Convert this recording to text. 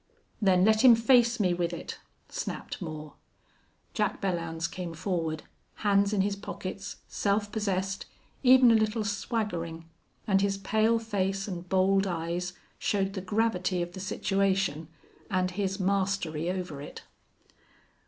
"Then let him face me with it," snapped Moore. Jack Belllounds came forward, hands in his pockets, self possessed, even a little swaggering, and his pale face and bold eyes showed the gravity of the situation and his mastery over it.